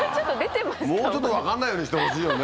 もうちょっと分かんないようにしてほしいよね。